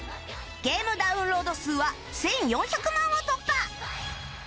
ゲームダウンロード数は１４００万を突破